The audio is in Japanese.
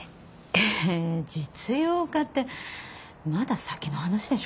え実用化ってまだ先の話でしょ？